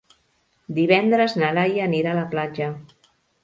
Divendres na Laia anirà a la platja.